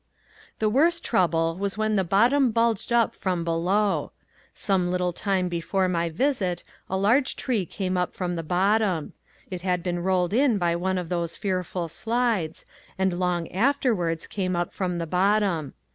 The worst trouble was when the bottom bulged up from below. Some little time before my visit a large tree came up from the bottom. It had been rolled in by one of those fearful slides and long afterwards came up from the bottom.